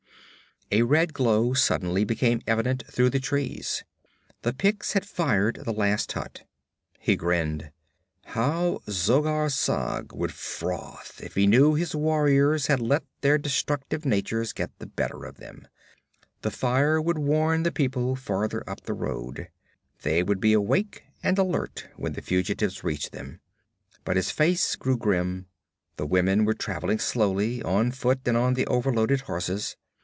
A red glow suddenly became evident through the trees. The Picts had fired the last hut. He grinned. How Zogar Sag would froth if he knew his warriors had let their destructive natures get the better of them. The fire would warn the people farther up the road. They would be awake and alert when the fugitives reached them. But his face grew grim. The women were traveling slowly, on foot and on the overloaded horses.